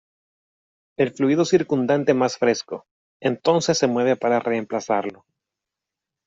El fluido circundante más fresco entonces se mueve para reemplazarlo.